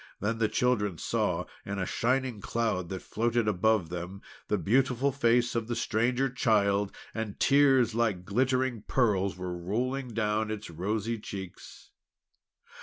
Then the children saw, in a shining cloud that floated above them, the beautiful face of the Stranger Child, and tears like glittering pearls were rolling down its rosy cheeks.